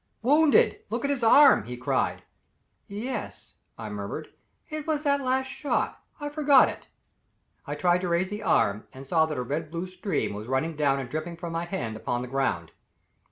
"Wounded! Look at his arm," he cried. "Yes," I murmured; "it was that last shot I forgot it." I tried to raise the arm and saw that a red blue stream was running down and dripping from my hand upon the ground.